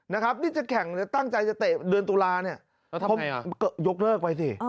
นี่จะแข่งตั้งใจจะเตะเดือนตุลาผมยกเลิกไปสิ